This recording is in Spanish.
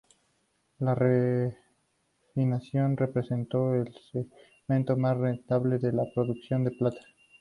La refinación representó el segmento más rentable de la producción de plata.